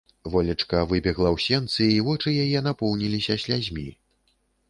Волечка выбегла ў сенцы, і вочы яе напоўніліся слязьмі.